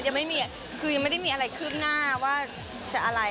ยังไม่มีคือยังไม่ได้มีอะไรคืบหน้าว่าจะอะไร